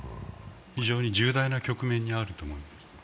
非常に重大な局面にあると思います。